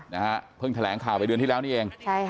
เณี่ยวเหรอไปแล้วนี่ก็เอง